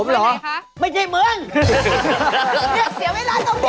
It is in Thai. เรียกเสียเวลาสมจะ